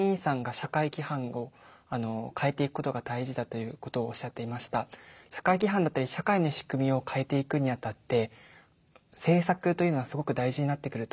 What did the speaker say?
社会規範だったり社会の仕組みを変えていくにあたって政策というのはすごく大事になってくると考えています。